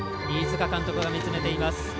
飯塚監督が見つめています。